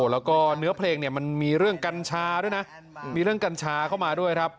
แล้วก็เนื้อเพลงเนี่ยมันมีเรื่องกัญชาด้วยนะมีเรื่องกัญชาเข้ามาด้วยครับ